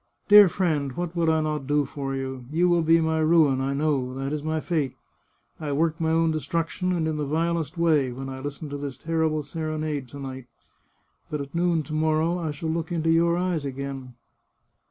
" Dear friend, what would I not do for you ! You will be my ruin, I know ; that is my fate. I work my own destruction, and in the vilest way, when I listen to this terrible serenade to night. But at noon to morrow I shall look into your eyes again